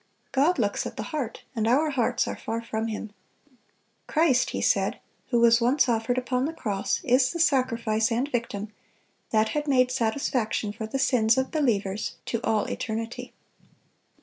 God looks at the heart, and our hearts are far from Him." "Christ," he said, "who was once offered upon the cross, is the sacrifice and victim, that had made satisfaction for the sins of believers to all eternity."